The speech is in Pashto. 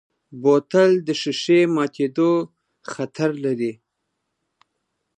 بوتل د ښیښې ماتیدو خطر لري.